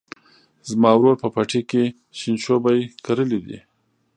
زما ورور په پټي کې شینشوبي کرلي دي.